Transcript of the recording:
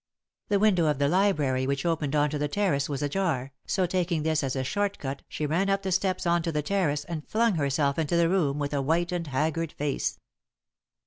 The window of the library which opened on to the terrace was ajar, so taking this as a short cut she ran up the steps on to the terrace and flung herself into the room with a white and haggard face.